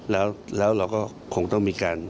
แล้วเราก็คงต้องมีการ